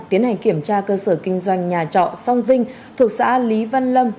tiến hành kiểm tra cơ sở kinh doanh nhà trọ song vinh thuộc xã lý văn lâm